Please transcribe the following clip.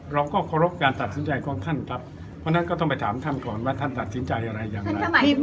เราก็เคารพการตัดสินใจของท่านครับ